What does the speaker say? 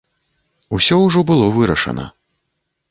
Усё ўжо было вырашана.